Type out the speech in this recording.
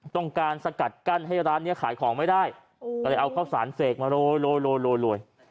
ต้องการสกัดกั้นให้ร้านนี้ขายของไม่ได้ก็เลยเอาข้าวสารเสกมาโรย